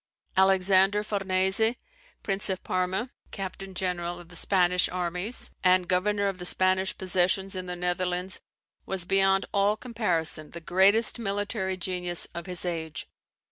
Alexander Farnese, Prince of Parma, captain general of the Spanish armies, and governor of the Spanish possessions in the Netherlands was beyond all comparison the greatest military genius of his age.